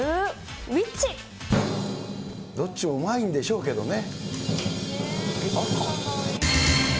どっちもうまいんでしょうけどね。